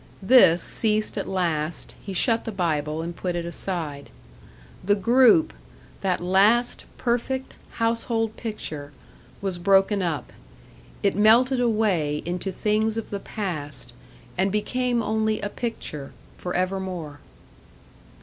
This ceased at last; he shut the Bible, and put it aside. The group that last perfect household picture was broken up. It melted away into things of the past, and became only a picture, for evermore.